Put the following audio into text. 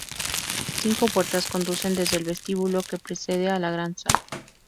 Cinco puertas conducen desde el vestíbulo que precede a la gran sala.